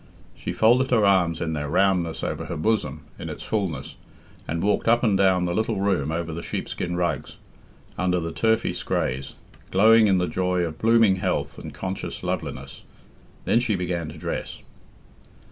She folded her arms in their roundness over her bosom in its fulness and walked up and down the little room over the sheep skin rugs, under the turfy scraas, glowing in the joy of blooming health and conscious loveliness. Then she began to dress.